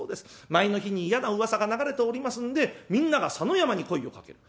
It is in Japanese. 前の日に嫌なうわさが流れておりますんでみんなが佐野山に声をかける。